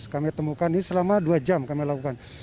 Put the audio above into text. kami temukan ini selama dua jam kami lakukan